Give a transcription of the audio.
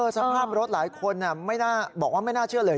สภาพรถหลายคนบอกว่าไม่น่าเชื่อเลย